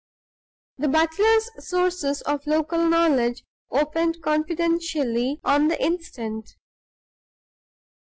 The butler's sources of local knowledge opened confidentially on the instant.